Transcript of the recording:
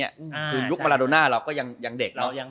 คือยุคมะราโดน่าเราก็ยังเด็ก